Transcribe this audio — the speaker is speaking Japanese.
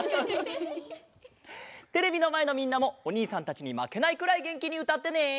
テレビのまえのみんなもおにいさんたちにまけないくらいげんきにうたってね！